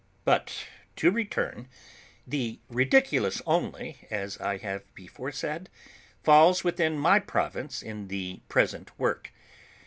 But to return. The Ridiculous only, as I have before said, falls within my province in the present work.